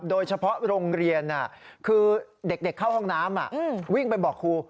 โดยเฉพาะโรงเรียนคือเด็กเข้าห้องน้ำวิ่งไปบอกครู